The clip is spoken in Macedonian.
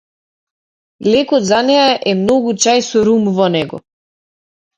Лекот за неа е многу чај со рум во него.